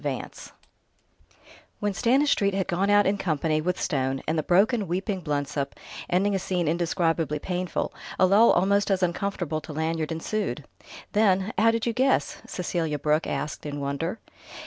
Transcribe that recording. XXIII AMNESTY When Stanistreet had gone out in company with Stone, and the broken, weeping Blensop, ending a scene indescribably painful, a lull almost as uncomfortable to Lanyard ensued. Then "How did you guess?" Cecelia Brooke asked in wonder.